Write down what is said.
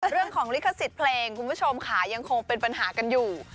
เรื่องของลิขสิทธิ์เพลงคุณผู้ชมค่ะยังคงเป็นปัญหากันอยู่